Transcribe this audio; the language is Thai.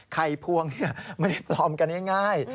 ไข่พวงเนี่ยไม่ได้ปลอมกันง่าย